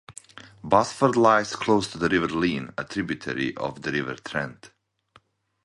Basford lies close to the River Leen, a tributary of the River Trent.